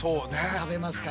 食べますか？